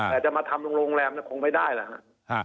แต่จะมาทำโรงแรมคงไม่ได้แหละฮะ